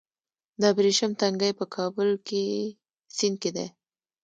د ابریشم تنګی په کابل سیند کې دی